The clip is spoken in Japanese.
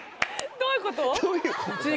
どういうこと？